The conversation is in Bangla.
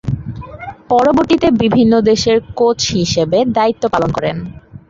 পরবর্তীতে বিভিন্ন দেশের কোচ হিসেবে দায়িত্ব পালন করেন।